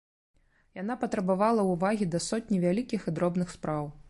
Яна патрабавала ўвагі да сотні вялікіх і дробных спраў.